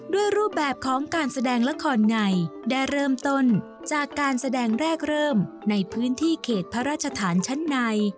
รูปแบบของการแสดงละครไงได้เริ่มต้นจากการแสดงแรกเริ่มในพื้นที่เขตพระราชฐานชั้นใน